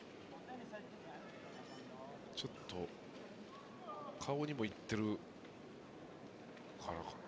ちょっと顔にも行ってるかな。